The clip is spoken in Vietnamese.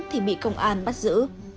thì bị công an bắt giữ